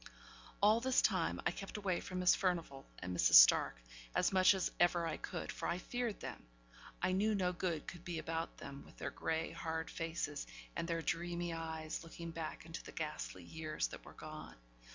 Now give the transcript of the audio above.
All this time I kept away from Miss Furnivall and Mrs. Stark, as much as ever I could; for I feared them I knew no good could be about them, with their grey, hard faces, and their dreamy eyes, looking back into the ghastly years that were gone.